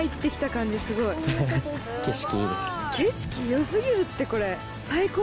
景色良過ぎるってこれ。